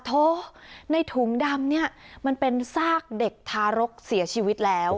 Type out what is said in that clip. โทษในถุงดำเป็นซากเด็กทารกเสียชีวิตแล้ว